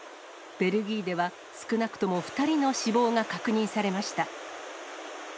ベルギーでは、少なくとも２人の死亡が確認されました。